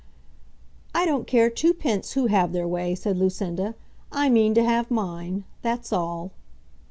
"I don't care twopence who have their way," said Lucinda, "I mean to have mine; that's all."